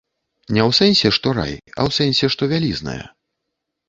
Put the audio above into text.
Не ў сэнсе, што рай, а ў сэнсе, што вялізная.